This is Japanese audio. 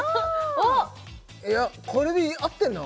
おっいやこれであってんの？